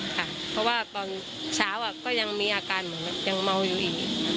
ค่ะเพราะว่าตอนเช้าก็ยังมีอาการเหมือนยังเมาอยู่อีก